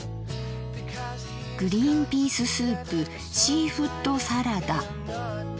「グリンピーススープシーフッドサラダ」。